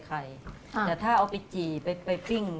แต่ถ้าเอาไปจี่ไปปิ้ง